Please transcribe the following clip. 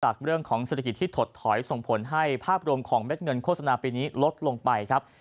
จากเรื่องของเศรษฐกิจที่ถดถอยส่งผลให้ภาพรวมของเม็ดเงินโฆษณาปีนี้ลดลงไปครับ